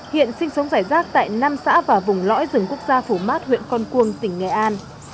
hiện sinh sống rải rác tại năm xã và vùng lõi rừng quốc gia phủ mát huyện con cuông tỉnh nghệ an